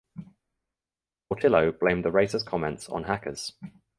Portillo blamed the racist comments on hackers.